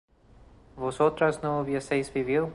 ¿vosotras no hubieseis vivido?